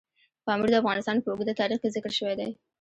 پامیر د افغانستان په اوږده تاریخ کې ذکر شوی دی.